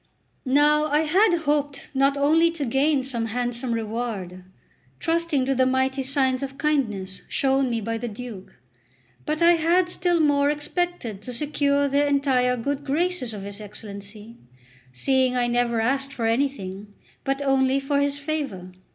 Now I had hoped not only to gain some handsome reward, trusting to the mighty signs of kindness shown me by the Duke, but I had still more expected to secure the entire good graces of his Excellency, seeing I never asked for anything, but only for his favour.